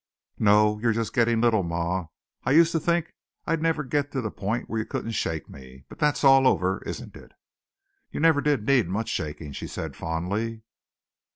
"No, you're just getting little, ma. I used to think I'd never get to the point where you couldn't shake me, but that's all over, isn't it?" "You never did need much shaking," she said fondly.